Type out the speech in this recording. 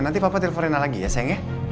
nanti papa telfonin lagi ya sayang ya